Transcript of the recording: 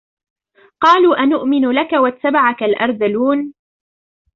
قالوا أنؤمن لك واتبعك الأرذلون